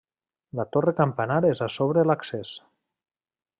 La torre campanar és a sobre l'accés.